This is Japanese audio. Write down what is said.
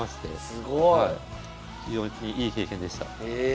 すごい！非常にいい経験でした。